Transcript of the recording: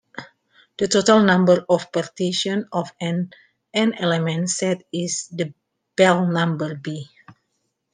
The total number of partitions of an "n"-element set is the Bell number "B".